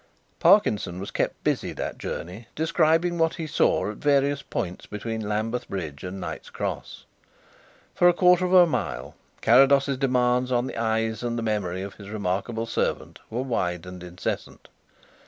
Parkinson was kept busy that journey describing what he saw at various points between Lambeth Bridge and Knight's Cross. For a quarter of a mile Carrados's demands on the eyes and the memory of his remarkable servant were wide and incessant.